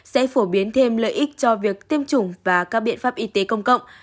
sẽ phổ biến thêm lợi ích cho việc tiêm chủng và các biện pháp y tế công cộng